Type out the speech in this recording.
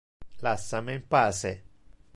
Lassa me in pace!